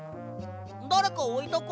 だれかおいたか？